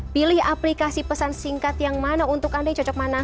pilih aplikasi pesan singkat yang mana untuk anda yang cocok mana